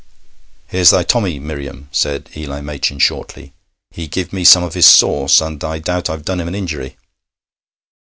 'Here's thy Tommy, Miriam,' said Eli Machin shortly. 'He give me some of his sauce, and I doubt I've done him an injury.'